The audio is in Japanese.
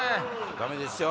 ダメですよ